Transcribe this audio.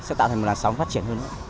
sẽ tạo thành một làn sóng phát triển hơn nữa